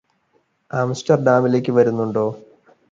ആംസ്റ്റർഡാമിലേക്ക് വരുന്നുണ്ടോ